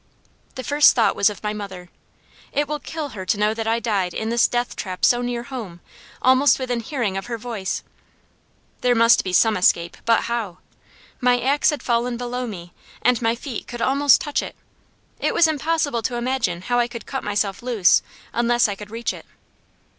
The first thought was of my mother. "It will kill her to know that I died in this death trap so near home, almost within hearing of her voice! There must be some escape! but how?" My axe had fallen below me and my feet could almost touch it. It was impossible to imagine how I could cut myself loose unless I could reach it.